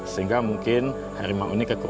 sehingga mungkin hari maju setelah kita melihat